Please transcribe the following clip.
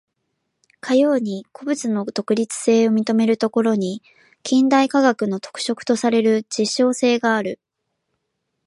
かように個物の独立性を認めるところに、近代科学の特色とされる実証性がある。